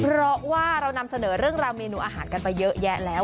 เพราะว่าเรานำเสนอเรื่องราวเมนูอาหารกันไปเยอะแยะแล้ว